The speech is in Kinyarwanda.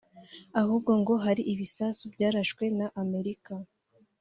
ahubwo ngo ari ibisasu byarashwe na Amerika